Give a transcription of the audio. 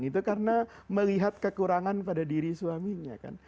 itu karena melihat kekurangan pada diri suaminya kan